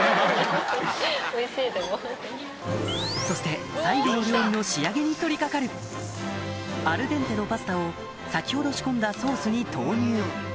そして最後の料理の仕上げに取り掛かるアルデンテのパスタを先ほど仕込んだソースに投入